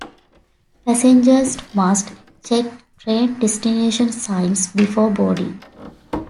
Passengers must check train destination signs before boarding.